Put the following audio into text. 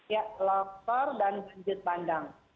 ya longsor dan banjir bandang